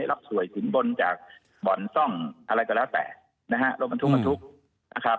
รับสวยสินบ้นจากบ่อนซ่องอะไรก็แล้วแต่โลกมันทุกข์มันทุกข์